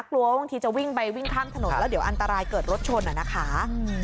กลัวว่าบางทีจะวิ่งไปวิ่งข้ามถนนแล้วเดี๋ยวอันตรายเกิดรถชนอะนะคะ